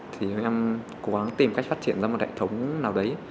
thì em cố gắng tìm cách phát triển ra một hệ thống nào đấy